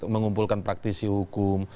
mengumpulkan praktisi hukum